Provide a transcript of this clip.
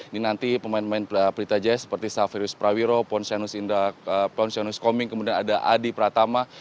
ini nanti pemain pemain pelita jaya seperti xaverius prawiro pontianus koming kemudian ada adi pratama